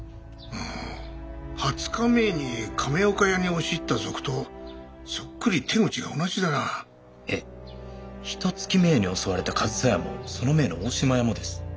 うん二十日前に亀岡屋に押し入った賊とそっくり手口が同じだなぁ。へえ一月前に襲われた上総屋もその前の大島屋もです。